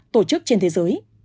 tổ chức trên thế giới